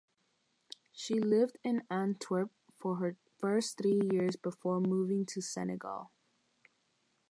She lived in Antwerp for her first three years before moving to Senegal.